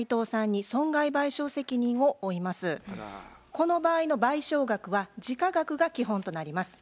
この場合の賠償額は時価額が基本となります。